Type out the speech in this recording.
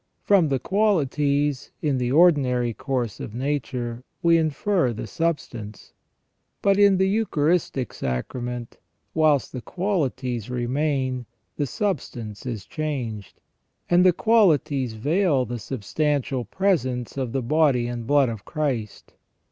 From the qualities, in the ordinary course of nature, we infer the substance. But in the Eucharistic Sacrament, whilst the qualities remain, the substance is changed, and the qualities veil the substantial presence of the body and blood of Christ.